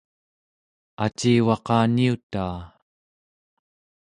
acivaqaniutaa